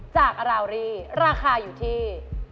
จากราวรี่ราคาอยู่ที่